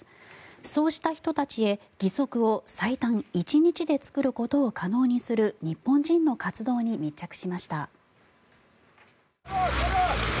そうした人たちへ義足を最短で１日で作ることを可能にする日本人の活動に密着しました。